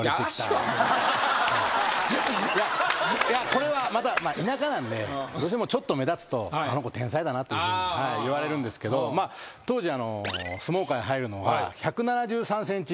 これは田舎なんでどうしてもちょっと目立つと「あの子天才だな」っていうふうにいわれるんですけど当時相撲界入るのが１７３ｃｍ以上なんですよね。